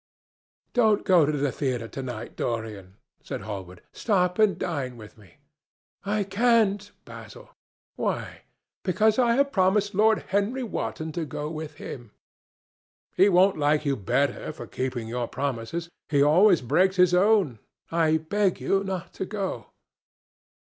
"Don't go to the theatre to night, Dorian," said Hallward. "Stop and dine with me." "I can't, Basil." "Why?" "Because I have promised Lord Henry Wotton to go with him." "He won't like you the better for keeping your promises. He always breaks his own. I beg you not to go."